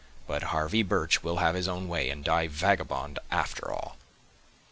But Harvey Birch will have his own way, and die vagabond after all!"